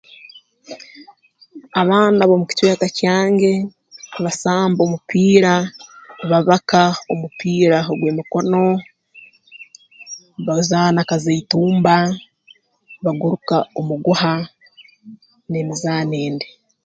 Abaana b'omu kicweka kyange basamba omupiira babaka omupiira ogw'emikono bazaana kazaitumba baguruka omuguha n'emizaano endi